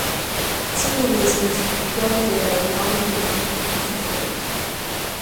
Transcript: The single releases, "Broad Daylight" and "I'll Be Creepin'", also failed.